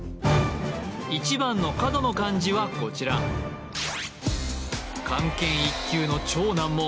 １番の角の漢字はこちら漢検１級の超難問